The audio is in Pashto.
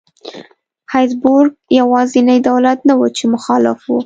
هابسبورګ یوازینی دولت نه و چې مخالف و.